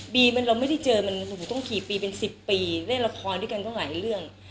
เราไม่ได้เจอมันหนูต้องขี่ปีเป็น๑๐ปีเล่นละครด้วยกันตั้งหลายเรื่อง